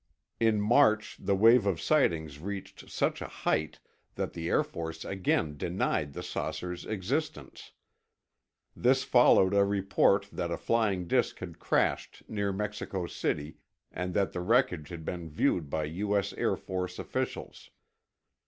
In March, the wave of sightings reached such a height that the Air Force again denied the saucers' existence. This followed a report that a flying disk had crashed near Mexico City and that the wreckage had been viewed by U. S. Air Force officials.